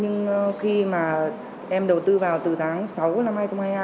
nhưng khi mà em đầu tư vào từ tháng sáu năm hai nghìn hai mươi hai